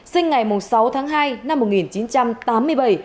sinh ngày sáu tháng hai năm một nghìn chín trăm tám mươi bảy